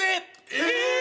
えっ！